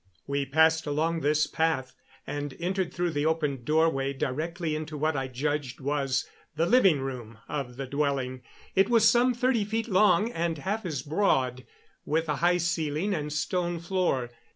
We passed along this path and entered through the open doorway directly into what I judged was the living room of the dwelling. It was some thirty feet long and half as broad, with a high ceiling and stone floor.